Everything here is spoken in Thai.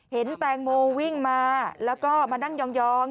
เห็นแตงโมวิ่งมาแล้วก็มานั่งยอง